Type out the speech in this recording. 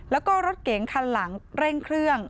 แล้วก็รถเก๋งคันหลังเร่งเครื่อง